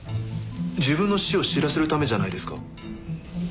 自分の死を知らせるためじゃないですか？